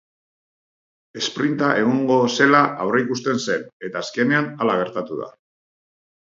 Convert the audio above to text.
Esprinta egongo zela aurreikusten zen eta azkenean hala gertatu da.